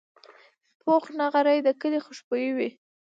پوخ نغری د کلي خوشبويي وي